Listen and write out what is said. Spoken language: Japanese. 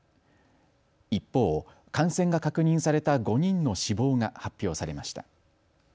一方、感染が確認された５人の死亡が発表されました。